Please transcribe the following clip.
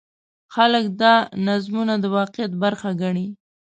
خلک دا نظمونه د واقعیت برخه ګڼي.